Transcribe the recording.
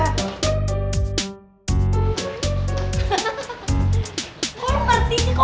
lu lagi tuh danggu